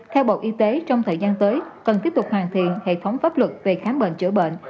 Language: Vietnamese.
theo bộ y tế trong thời gian tới cần tiếp tục hoàn thiện hệ thống pháp luật về khám bệnh chữa bệnh